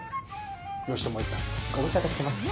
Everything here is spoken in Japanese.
義知叔父さんご無沙汰してます。